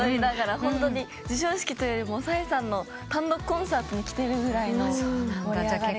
ホントに授賞式というよりもＰＳＹさんの単独コンサートに来てるぐらいの盛り上がりで。